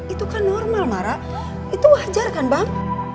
itu kan normal marah itu wajar kan bang